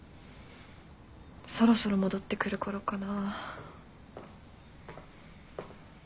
そろそろ戻ってくるころかな。